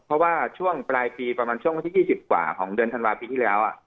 เพราะว่าช่วงปลายปีประมาณช่วงวันที่๒๐กว่าของเดือนธันวาปีที่แล้ว